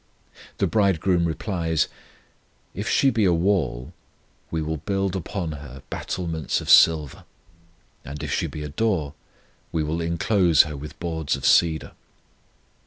The Bridegroom replies: If she be a wall, We will build upon her battlements of silver; And if she be a door, We will inclose her with boards of cedar.